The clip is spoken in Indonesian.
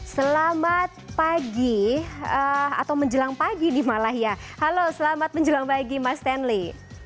selamat pagi atau menjelang pagi di malaya halo selamat menjelang pagi mas stanley